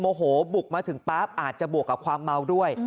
โมโหบุกมาถึงปั๊บอาจจะบวกกับความเมาด้วย